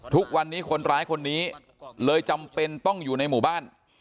ทุกวันนี้คนร้ายคนนี้เลยจำเป็นต้องอยู่ในหมู่บ้าน